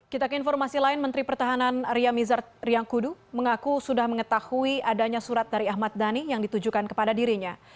kita ke informasi lain menteri pertahanan ria mizar riangkudu mengaku sudah mengetahui adanya surat dari ahmad dhani yang ditujukan kepada dirinya